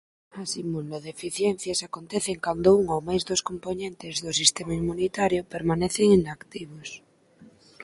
As inmunodeficiencias acontecen cando un ou máis dos compoñentes do sistema inmunitario permanecen inactivos.